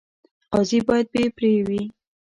قاضي باید بې پرې وي